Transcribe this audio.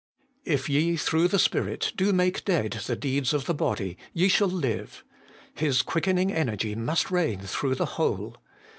3. 'If ye through the Spirit do make dead the deeds of the body, ye shall live,' His quickening energy must reign through the whole.